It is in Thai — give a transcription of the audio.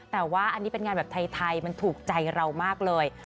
แต่ว่าอันนี้เป็นงานแบบไทยมันถูกใจเรามากเลย